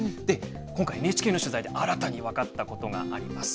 今回、ＮＨＫの取材で新たに分かったことがあります。